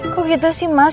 kok gitu sih mas